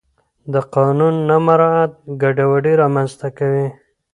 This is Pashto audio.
د قانون نه مراعت ګډوډي رامنځته کوي